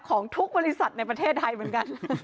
ของทุกบริษัทในประเทศไทยเหมือนกัน